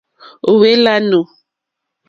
Ò hwé !lánù.